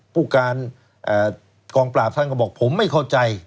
ผู้การกองปราบท่านก็บอกผมไม่เข้าใจ